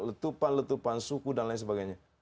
letupan letupan suku dan lain sebagainya